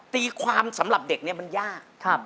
ตีความสำหรับเด็กเนี่ยมันยาก